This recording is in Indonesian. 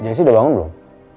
jesse udah bangun belum